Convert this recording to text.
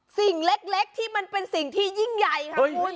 สิ่งเล็กที่มันเป็นสิ่งที่ยิ่งใหญ่ค่ะคุณ